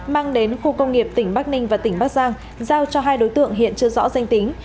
mang đến khu công nghiệp tỉnh bắc ninh và tỉnh bắc giang giao cho hai đối tượng hiện chưa rõ danh tính